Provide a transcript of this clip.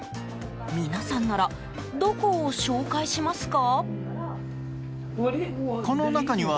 皆さんならどこを紹介しますか？